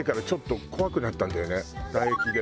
唾液で。